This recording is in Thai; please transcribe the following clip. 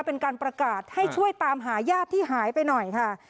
เป็นการประกาศให้ช่วยตามหาญาติที่หายไปหน่อยค่ะ